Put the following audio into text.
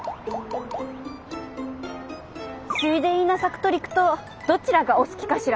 水田稲作と陸稲どちらがお好きかしら？